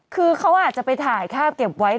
คือเขาอาจจะไปถ่ายภาพเก็บไว้